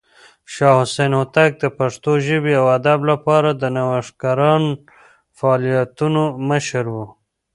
شاه حسين هوتک د پښتو ژبې او ادب لپاره د نوښتګران فعالیتونو مشر و.